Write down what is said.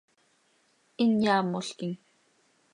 Hin yaamolquim.